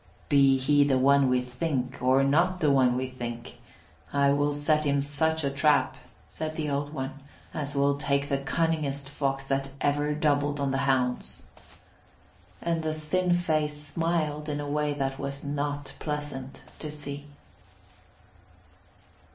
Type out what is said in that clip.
"Be he the one we think or not the one we think, I will set him such a trap," said the Old One, "as will take the cunningest fox that ever doubled on the hounds." And the thin face smiled in a way that was not pleasant to see.